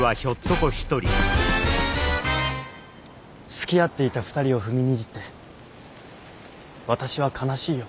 好き合っていた２人を踏みにじって私は悲しいよ。